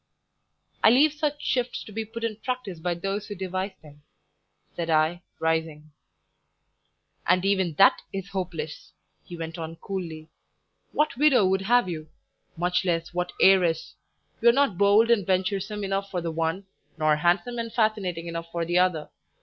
"I leave such shifts to be put in practice by those who devise them," said I, rising. "And even that is hopeless," he went on coolly. "What widow would have you? Much less, what heiress? You're not bold and venturesome enough for the one, nor handsome and fascinating enough for the other.